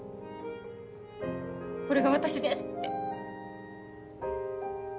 「これが私です」って。